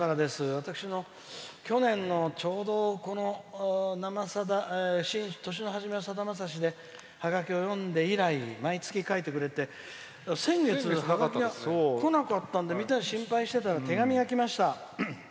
私の去年の、ちょうどこの「生さだ」年の初めはさだまさしでハガキを書いてくれて先月、ハガキがこなかったんでみんなで心配してたら手紙がきました。